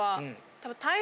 多分。